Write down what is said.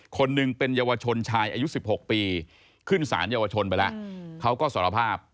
คนหนึ่งเป็นเยาวชนชายอายุ๑๖ปีขึ้นสารเยาวชนไปแล้วเขาก็สารภาพ